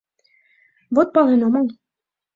Вот пален омыл.